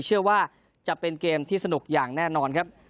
เชื่อว่าจะเป็นเกมที่สนุกอย่างแน่นอนครับ